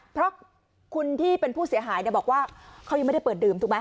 เพราะคุณที่เป็นผู้เสียหายบอกว่าเขายังไม่ได้เปิดดื่มถูกไหม